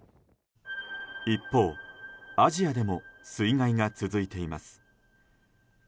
一方、アジアでも水害が続いています。